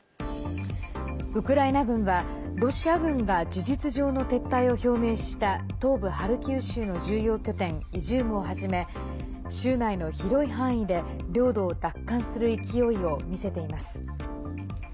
ウクライナ軍は、ロシア軍が事実上の撤退を表明した東部ハルキウ州の重要拠点イジュームをはじめ州内の広い範囲で領土を奪還する勢いをみせています。